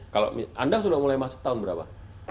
kalau anda sudah mulai masuk tahun berapa